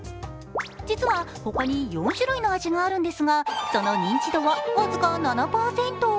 実は、他に４種類の味があるんですが、その認知度は、僅か７％。